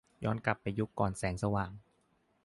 ย้อนกลับไปยุคก่อนแสงสว่าง